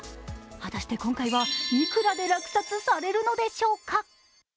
果たして今回は、いくらで落札されるのでしょうか。